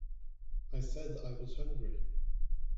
I said, 'I was hungry.